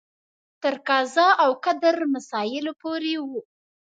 تر قضا او قدر مسایلو پورې و.